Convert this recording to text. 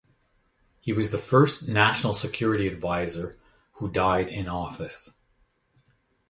He was the first National Security Advisor who died in office.